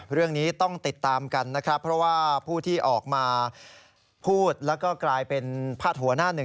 เรื่องนี้ต้องติดตามกันนะครับเพราะว่าผู้ที่ออกมาพูดแล้วก็กลายเป็นพาดหัวหน้าหนึ่ง